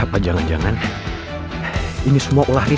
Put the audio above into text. sampai pagi vier lagi